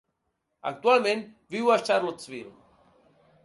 Actualment viu a Charlottesville.